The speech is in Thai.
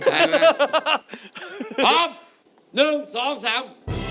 พร้อมหนึ่งสองสาม